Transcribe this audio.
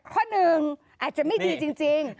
ข้อหนึ่งอาจจะไม่ดีจริง